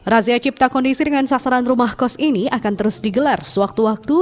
razia cipta kondisi dengan sasaran rumah kos ini akan terus digelar sewaktu waktu